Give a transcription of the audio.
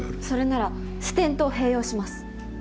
それならステントを併用します。